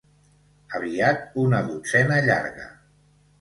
Aviat una dotzena llarga.